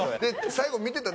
最後見てた？